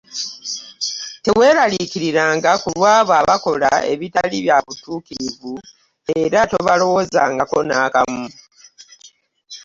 Tewelalikirilanga ku lw'abo abakola ebitali by'abutukirivu era tobalowoozangako nakamu.